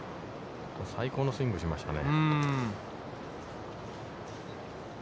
最高のスイングをしましたね。